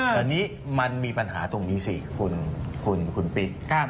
แต่นี่มันมีปัญหาตรงนี้สิคุณปิ๊ก